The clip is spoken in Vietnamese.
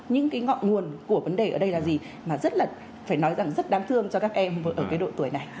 những cái ngọn nguồn của vấn đề ở đây là gì mà rất là phải nói rằng rất đáng thương cho các em ở cái độ tuổi này